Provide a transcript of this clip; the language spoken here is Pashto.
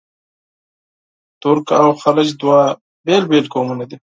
ترک او خلج دوه بېل بېل قومونه دي.